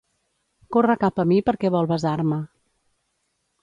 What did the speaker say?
Corre cap a mi perquè vol besar-me.